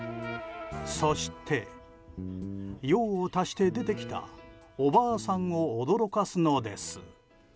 そして、用を足して出てきたおばあさんを驚かすのです。